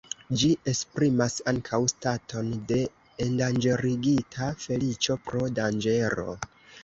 Ĝi esprimas ankaŭ staton de endanĝerigita feliĉo pro danĝero.